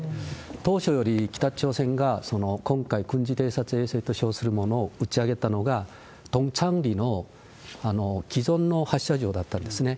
当初より北朝鮮が今回、軍事偵察衛星と称するものを打ち上げたのが、トンチャンリの既存の発射場だったんですね。